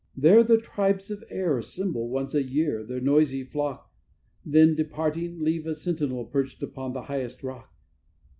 There the tribes of air assemble, once a year, their noisy flock, Then, departing, leave a sentinel perched upon the highest rock.